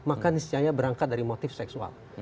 maka niscaya berangkat dari motif seksual